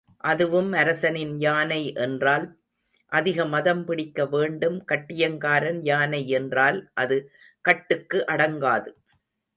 அதுவும் அரசனின் யானை என்றால் அதிக மதம் பிடிக்க வேண்டும் கட்டியங்காரன் யானை என்றால் அது கட்டுக்கு அடங்காது.